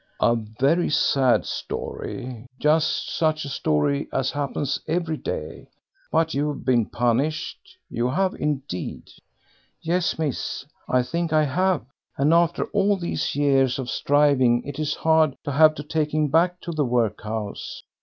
"A very sad story just such a story as happens every day. But you have been punished, you have indeed." "Yes, miss, I think I have; and after all these years of striving it is hard to have to take him back to the workhouse.